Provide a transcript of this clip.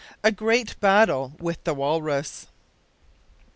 A GREAT BATTLE WITH THE WALRUS.